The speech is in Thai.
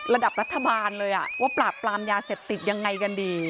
ระดับรัฐบาลเลยว่าปราบปรามยาเสพติดยังไงกันดี